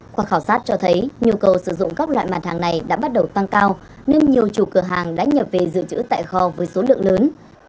qua khảo sát cho thấy nhu cầu sử dụng các loại mặt hàng này đã bắt đầu tăng cao nên nhiều chủ cửa hàng đã nhập về dự trữ tại kho với số lượng lớn